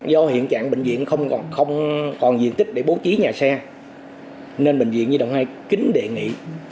do hiện trạng bệnh viện không còn diện tích để bố trí nhà xe nên bệnh viện nhi đồng hai kính đề nghị